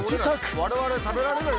我々食べられないよ